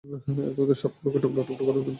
সে তোদের সবগুলাকে টুকরোটুকরো করে ফেলবে।